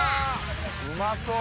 うまそう。